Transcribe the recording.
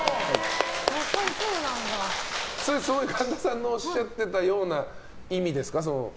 神田さんのおっしゃってたような意味ですか？